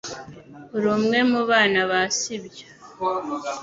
Uri umwe mu bana ba si byo